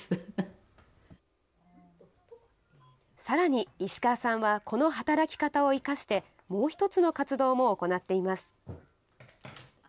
さらに、石川さんはこの働き方を生かして、もう一つの活動も行っています。